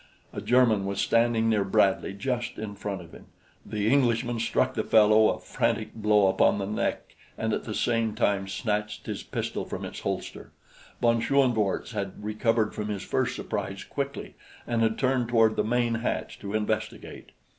A German was standing near Bradley just in front of him. The Englishman struck the fellow a frantic blow upon the neck and at the same time snatched his pistol from its holster. Von Schoenvorts had recovered from his first surprise quickly and had turned toward the main hatch to investigate.